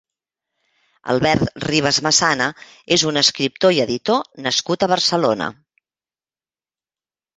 Albert Ribas Massana és un escriptor i editor nascut a Barcelona.